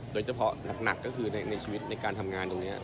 โดยเฉพาะหนักก็คือในชีวิตในการทำงานตรงนี้